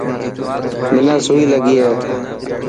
منا سوئي لگي هي.